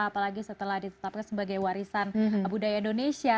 apalagi setelah ditetapkan sebagai warisan budaya indonesia